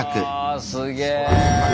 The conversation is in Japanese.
あすげえ。